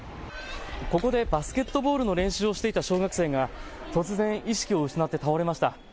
ここでバスケットボールの練習をしていた小学生が突然意識を失って倒れました。